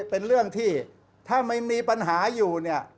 เป็นเรื่องที่ถ้าไม่มีปัญหาอยู่เนี่ย